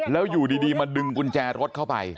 แล้วอยู่ดีมาดึงกุญแจรถเข้าไป